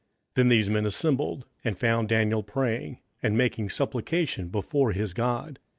27:006:011 Then these men assembled, and found Daniel praying and making supplication before his God.